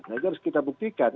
nah itu harus kita buktikan